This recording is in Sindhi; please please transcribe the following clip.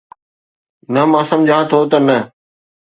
نه، مان سمجهان ٿو ته نه